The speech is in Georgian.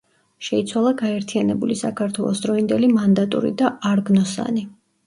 შეიცვალა გაერთიანებული საქართველოს დროინდელი მანდატური და არგნოსანი.